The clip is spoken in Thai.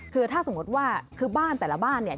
คือถ้าสมมติว่าคือบ้านแต่ละบ้านเนี่ย